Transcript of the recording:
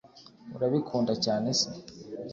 urabikunda cyane se